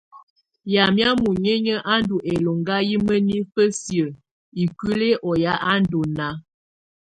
Wamɛ̀á muninƴǝ́ á ndù ɛlɔŋga yɛ mǝnifǝ siǝ̀ ikuili ɔ ya á ndù nàá.